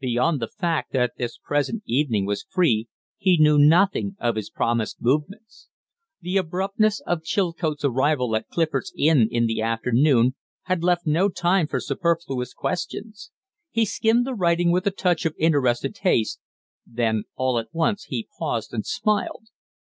Beyond the fact that this present evening was free, he knew nothing of his promised movements. The abruptness of Chilcote's arrival at Clifford's Inn in the afternoon had left no time for superfluous questions. He skimmed the writing with a touch of interested haste, then all at once he paused and smiled.